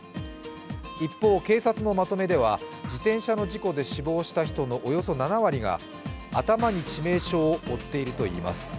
一方、警察のまとめでは自転車の事故で死亡した人のおよそ７割が、頭に致命傷を負っているといいます。